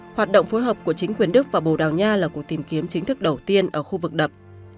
hoạt động phối hợp của chính quyền đức và bồ đào nha là cuộc tìm kiếm chính thức đầu tiên ở khu vực đập